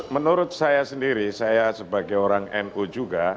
menurut saya sendiri saya sebagai orang nu juga